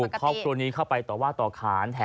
ครอบครัวนี้เข้าไปต่อว่าต่อขาน